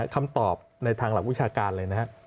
คำตอบในทางหลักวิชาการเลยนะครับ